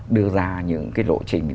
đưa ra những cái lộ trình